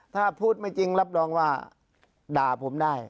ถ้าพูดไม่จริงรับรองว่าด่าผมได้